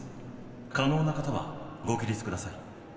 可能な方はご起立ください。